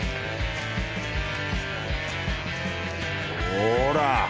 ほら！